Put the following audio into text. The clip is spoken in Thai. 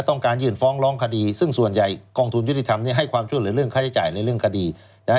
ต้องการยื่นฟ้องร้องคดีซึ่งส่วนใหญ่กองทุนยุติธรรมให้ความช่วยเหลือเรื่องค่าใช้จ่ายในเรื่องคดีนะฮะ